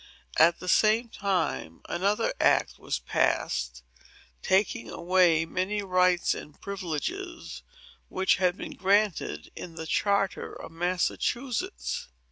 At the same time, another act was passed, taking away many rights and privileges which had been granted in the charter of Massachusetts.